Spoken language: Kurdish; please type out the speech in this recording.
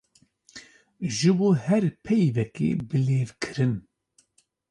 Ji bo her peyvekê bilêvkirin.